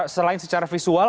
selain secara visual